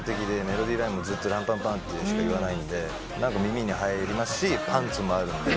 メロディーラインもずっと「ＲＡＭ−ＰＡＭ−ＰＡＭ」ってしか言わないんで耳に入りますしパンツもあるんで。